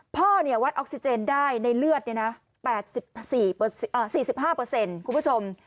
พ่อเนี่ยวัดออกซิเจนได้ในเลือดเนี่ยนะ๔๕คุณผู้ชม